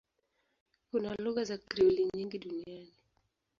Kuna lugha za Krioli nyingi duniani.